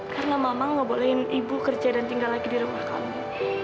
karena mama nggak bolehin ibu kerja dan tinggal lagi di rumah kami